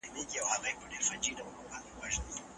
موږ د یو بل په مرسته ژوند کوو.